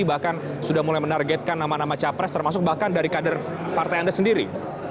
bahkan sudah mulai menargetkan nama nama capres termasuk bahkan dari kader partai anda sendiri